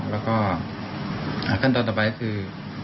แล้วก็ขั้นตอนต่อไปคือ